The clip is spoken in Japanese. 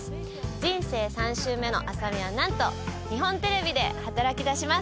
人生３周目の麻美はなんと日本テレビで働きだします。